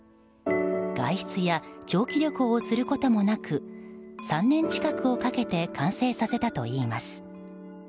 外出や長期旅行をすることもなく３年近くをかけて完成させたといいます。